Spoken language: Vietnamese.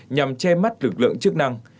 nhằm che mắt lực lượng chức năng